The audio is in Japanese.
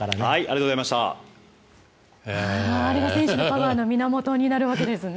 あれが選手のパワーの源になるわけですね。